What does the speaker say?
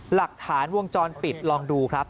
หลักฐานวงจรปิดลองดูครับ